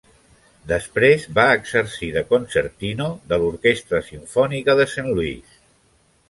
Després va exercir de concertino de l'orquestra simfònica de Saint Louis.